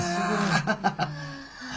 ハハハハ。